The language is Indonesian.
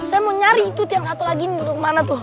saya mau nyari itu tiang satu lagi nih kemana tuh